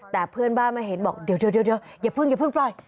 แต่เพื่อนบ้านมาเห็นบอกเดี๋ยวอย่าเพิ่งปล่อย